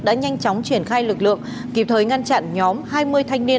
đã nhanh chóng triển khai lực lượng kịp thời ngăn chặn nhóm hai mươi thanh niên